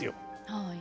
はい。